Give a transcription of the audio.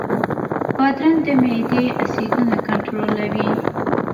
بادرنګ د معدې اسیدونه کنټرولوي.